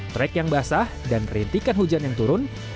trek yang basah dan rintikan hujan yang turun